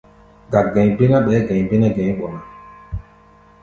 Gák-gɛ̧i̧ bé ná, ɓɛɛ́ gɛ̧i̧ bé nɛ́ gɛ̧i̧ ɓɔ ná.